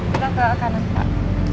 kita ke kanan pak